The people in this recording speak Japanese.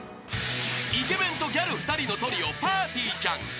［イケメンとギャル２人のトリオぱーてぃーちゃん］